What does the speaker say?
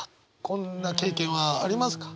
こんな経験はありますか？